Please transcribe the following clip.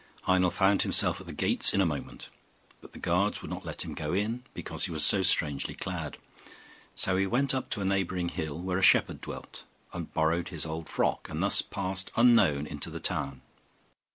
Heinel found himself at the gates in a moment; but the guards would not let him go in, because he was so strangely clad. So he went up to a neighbouring hill, where a shepherd dwelt, and borrowed his old frock, and thus passed unknown into the town.